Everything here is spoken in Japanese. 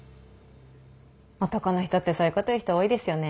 男の人ってそういうこと言う人多いですよね。